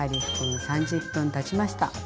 君３０分たちました。